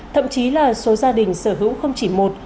thậm chí là số gia đình sở hữu không chỉ một